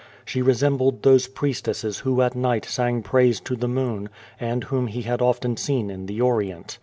She resembled those priestesses who at night sang praise to the moon, and whom he had often seen in the Orient.